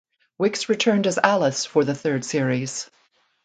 Wix returned as Alice for the third series.